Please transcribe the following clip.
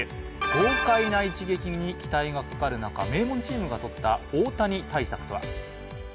豪快な一撃に期待がかかる中、名門チームがとった大谷対策とは。